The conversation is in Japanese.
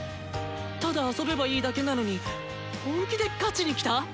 ただ遊べばいいだけなのに本気で「勝ち」にきた！